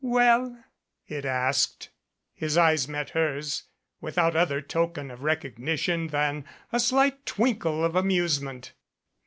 "Well?" it asked. His eyes met hers without other token of recognition than a slight twinkle of amusement.